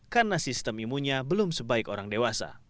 karena sistem imunya belum sebaik orang dewasa